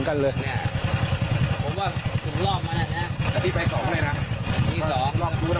ขอนแกล้งทั้งสามหน้าหรอ